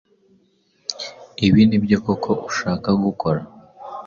Ibi nibyo koko ushaka gukora?